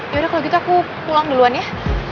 yaudah kalau gitu aku pulang duluan ya